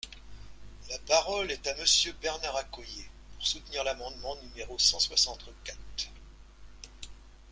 La parole est à Monsieur Bernard Accoyer, pour soutenir l’amendement numéro cent soixante-quatre.